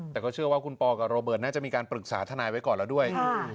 แต่ก็เชื่อว่าคุณปอกับโรเบิร์ตน่าจะมีการปรึกษาทนายไว้ก่อนแล้วด้วย